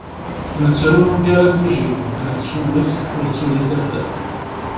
Nettru nugar agujil, nettwwet ur d-tuli tafat.